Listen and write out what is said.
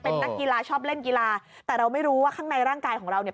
เป็นนักกีฬาชอบเล่นกีฬาแต่เราไม่รู้ว่าข้างในร่างกายของเราเนี่ย